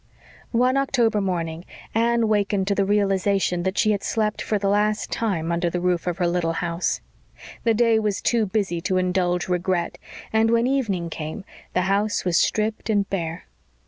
One October morning Anne wakened to the realisation that she had slept for the last time under the roof of her little house. The day was too busy to indulge regret and when evening came the house was stripped and bare.